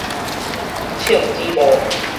銃子幕